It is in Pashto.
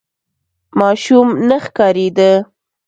ماشوم نه ښکارېده.